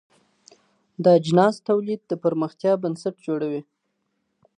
د اجناسو تولید د پرمختیا بنسټ جوړوي.